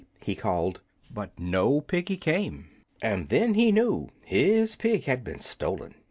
he called, but no piggy came, and then he knew his pig had been stolen.